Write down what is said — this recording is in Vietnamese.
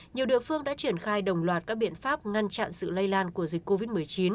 nhiều địa phương đã triển khai đồng loạt các biện pháp ngăn chặn sự lây lan của dịch covid một mươi chín